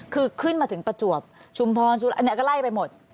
คือขึ้นมาถึงประจวบชุมพรสุรอันนี้ก็ไล่ไปหมด